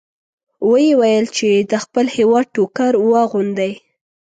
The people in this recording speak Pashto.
ویې ویل چې د خپل هېواد ټوکر واغوندئ.